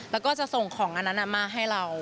แล้วก็จะส่งของอันนั้นมาให้เรา